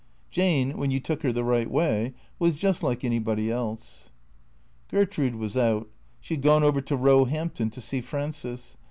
Jane, when you took her the right way, was just like anybody else. Gertrude was out. She had gone over to Eoehampton to see Frances.